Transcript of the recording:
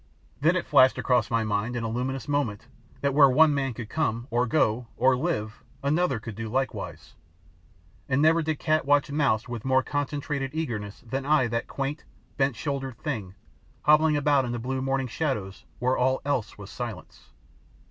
Then again it flashed across my mind in a luminous moment that where one man could come, or go, or live, another could do likewise, and never did cat watch mouse with more concentrated eagerness than I that quaint, bent shouldered thing hobbling about in the blue morning shadows where all else was silence.